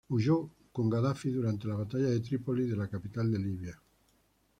Huyó con Gadafi durante la Batalla de Trípoli, de la capital de Libia.